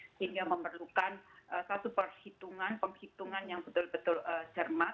sehingga memerlukan satu perhitungan penghitungan yang betul betul cermat